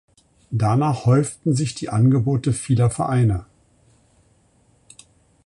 Danach häuften sich die Angebote vieler Vereine.